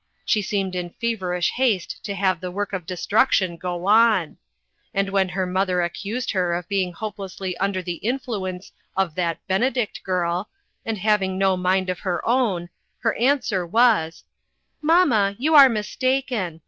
She seemed in feverish haste to have the work of destruction go on. And when her mother accused her of being hopelessly under the influence of "that Benedict girl," a^d having no mind of her own, her answer was : 41 2 INTERRUPTED. " Mamma, you are mistaken.